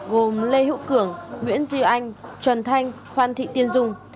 gồm lê hữu cường nguyễn diêu anh trần thanh khoan thị tiên dung